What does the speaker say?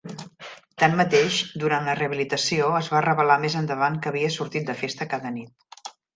Tanmateix, durant la rehabilitació, es va revelar més endavant que havia sortit de festa cada nit.